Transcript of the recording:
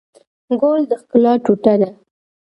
ګل د ښکلا ټوټه ده.